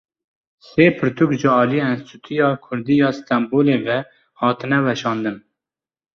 Sê pirtûk ji aliyê Enstîtuya Kurdî ya Stenbolê ve hatine weşandin.